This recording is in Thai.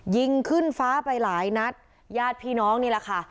ยิงขึ้นฟ้าไปหลายนัดญาติพี่น้องนี่แหละค่ะ